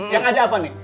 yang ada apa nih